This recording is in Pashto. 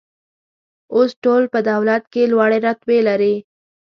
اوس ټول په دولت کې لوړې رتبې لري.